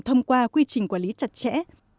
thông qua quy trình quản lý chặt chẽ